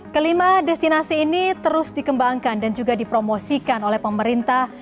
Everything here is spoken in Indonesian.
kelima destinasi ini terus dikembangkan dan juga dipromosikan oleh pemerintah